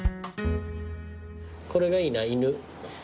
これがいいな犬。